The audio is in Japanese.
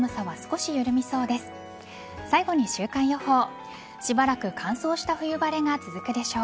しばらく乾燥した冬晴れが続くでしょう。